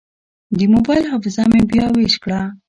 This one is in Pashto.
د موبایل حافظه مې بیا ویش کړه.